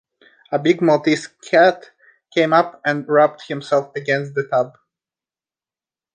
A big Maltese cat came up and rubbed himself against the tub.